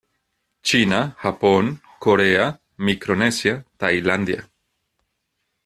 China, Japón, Corea, Micronesia, Tailandia.